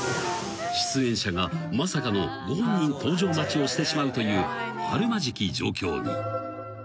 ［出演者がまさかのご本人登場待ちをしてしまうというあるまじき状況に］